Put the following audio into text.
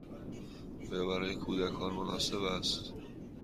آیا برای کودکان مناسب است؟